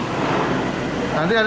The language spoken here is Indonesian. nanti ada yang berhasil